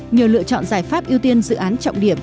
nhờ lựa chọn giải pháp ưu tiên dự án trọng điểm